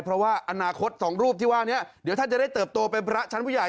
เพราะว่าอนาคตสองรูปที่ว่านี้เดี๋ยวท่านจะได้เติบโตเป็นพระชั้นผู้ใหญ่